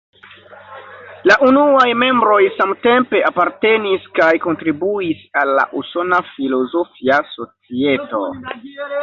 La unuaj membroj samtempe apartenis kaj kontribuis al la Usona Filozofia Societo.